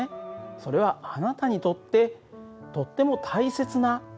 それはあなたにとってとっても大切な特徴なんです。